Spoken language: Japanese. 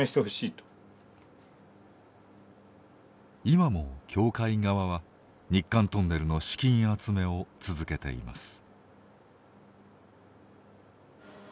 今も、教会側は日韓トンネルの資金集めを続けています。